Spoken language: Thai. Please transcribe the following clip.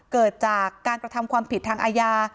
เกิดจากการกระทำความผิดทางอาญา